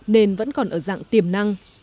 nên vẫn còn ở dạng tiềm năng